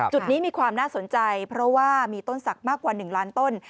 จุดนี้มีความน่าสนใจเพราะว่ามีต้นศักดิ์มากกว่า๑ล้านต้น